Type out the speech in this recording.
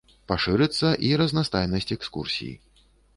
Пашырыцца і разнастайнасць экскурсій.